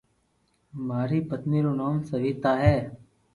ماري پتني روو نوم سويتا ھي